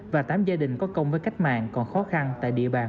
và tám gia đình có công với cách mạng còn khó khăn tại địa bàn quận chín